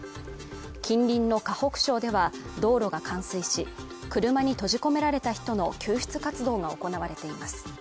近隣の河北省では道路が冠水し車に閉じ込められた人の救出活動が行われています